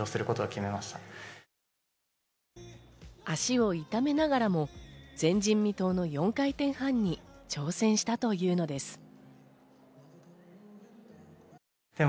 足を痛めながらも前人未到の４回転半に挑戦したというのです。